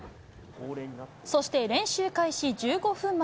そして練習開始１５分前。